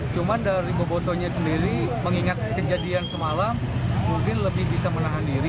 cuma dari bobotonya sendiri mengingat kejadian semalam mungkin lebih bisa menahan diri